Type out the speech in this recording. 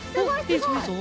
いいぞいいぞ！